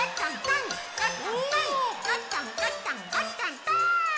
ゴットンゴットンゴットントン！